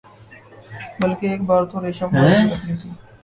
بلکہ ایک بار تو ریشہ مبارک بھی رکھ لی تھی